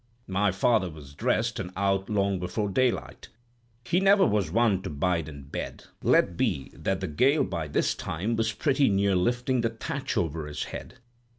My father was dressed and out long before daylight; he never was one to bide in bed, let be that the gale by this time was pretty near lifting the thatch over his head.